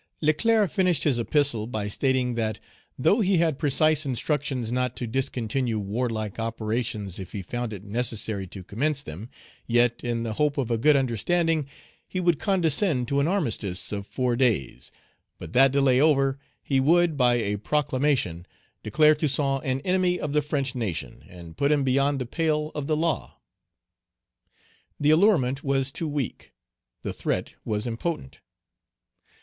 Leclerc finished his epistle by stating that, though he had precise instructions not to discontinue warlike operations if he found it necessary to commence them, yet, in the hope of a good understanding, he would condescend to an armistice of four days, but, that delay over, he would, by a proclamation, declare Toussaint an enemy of the French nation, and put him beyond the pale of the law. The allurement was too weak; the threat was impotent.